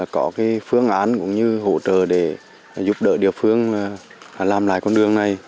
có phương án cũng như hỗ trợ để giúp đỡ địa phương làm lại con đường này